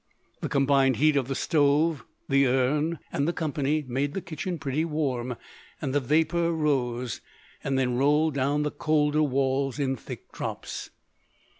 The combined heat of the stove, the urn, and the company made the kitchen pretty warm, and the vapour rose, and then rolled down the colder walls in thick drops.